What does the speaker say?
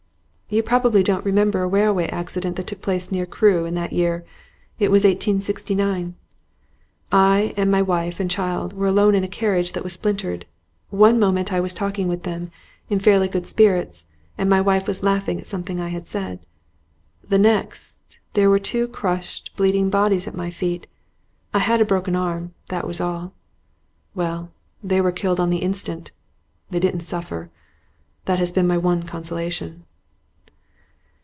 'You probably don't remember a railway accident that took place near Crewe in that year it was 1869? I and my wife and child were alone in a carriage that was splintered. One moment I was talking with them, in fairly good spirits, and my wife was laughing at something I had said; the next, there were two crushed, bleeding bodies at my feet. I had a broken arm, that was all. Well, they were killed on the instant; they didn't suffer. That has been my one consolation.